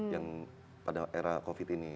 yang pada era covid ini